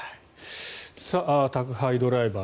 宅配ドライバー